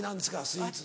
スイーツ。